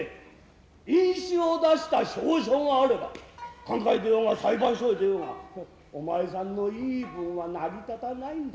印紙を出した証書があれば勧解へ出ようが裁判所へ出ようがお前さんの言い分は成り立たないんだ。